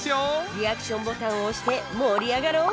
リアクションボタンを押して盛り上がろう！